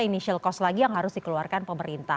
initial cost lagi yang harus dikeluarkan pemerintah